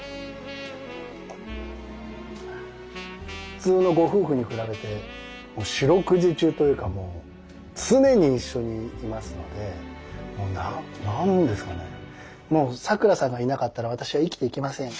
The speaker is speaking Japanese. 普通のご夫婦に比べて四六時中というかもう常に一緒にいますのでもう何ですかねもうさくらさんがいなかったら私は生きていけません。